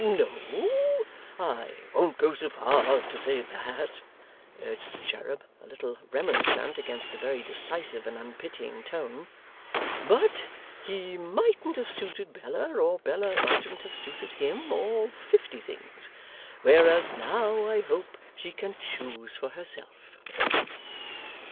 'No, I won't go so far as to say that,' urged the cherub, a little remonstrant against the very decisive and unpitying tone; 'but he mightn't have suited Bella, or Bella mightn't have suited him, or fifty things, whereas now I hope she can choose for herself.